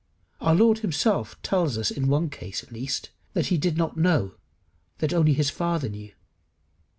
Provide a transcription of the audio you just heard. Our Lord himself tells us in one case, at least, that he did not know, that only his Father knew.